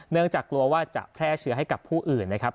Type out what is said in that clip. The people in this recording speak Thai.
จากกลัวว่าจะแพร่เชื้อให้กับผู้อื่นนะครับ